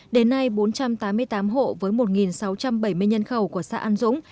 đến nay bốn trăm tám mươi tám hộ với một sáu trăm bảy mươi nhân khẩu của xã an dũng